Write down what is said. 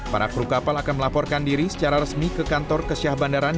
para kru kapal akan melaporkan diri secara resmi ke kantor kesyah bandaran